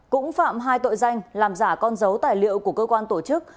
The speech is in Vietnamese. cũng phạm hai tội danh làm giả con dấu tài liệu của cơ quan tổ chức